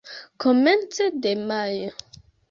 Komence de majo.